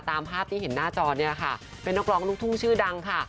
ตามภาพที่เห็นหน้าจอเนี่ยค่ะเป็นนักร้องลูกทุ่งชื่อดังค่ะ